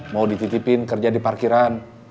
mau dititipin kerja di parkiran